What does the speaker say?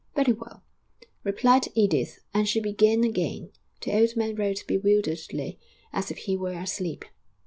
'Very well,' replied Edith, and she began again; the old man wrote bewilderedly, as if he were asleep.